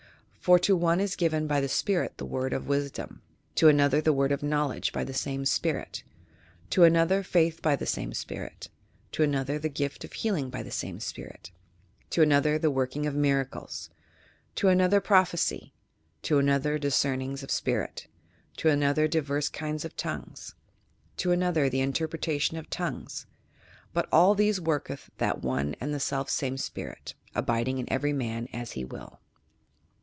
For to one is given by the spirit the word of wisdom; to another the word of knowledge by the same spirit; to another faith by the same spirit; to another the gift of healing by the same spirit; to another the working of miracles; to another prophecy; to another discerning of spirits; to another diverse kinds of tongues; to another the interpretation of tongues; but all these worketh that one and the self same Spirit, abiding in every man as he will."